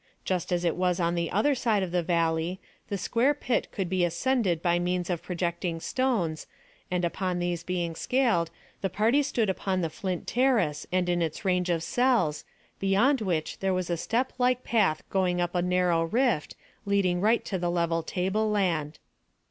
Just as it was on the other side of the valley, the square pit could be ascended by means of projecting stones, and upon these being scaled the party stood upon the flint terrace and in its range of cells, beyond which there was a step like path going up a narrow rift, leading right to the level tableland.